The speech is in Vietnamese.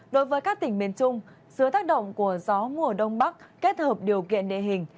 đối với các tỉnh miền trung dưới tác động của gió mùa đông bắc kết hợp điều kiện địa hình